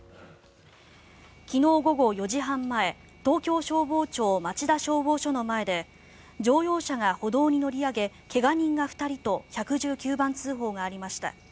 昨日午後４時半前東京消防庁町田消防署の前で乗用車が歩道に乗り上げ怪我人が２人と１１９番通報がありました。